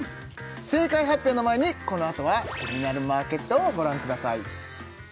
正解発表の前にこのあとは「キニナルマーケット」をご覧ください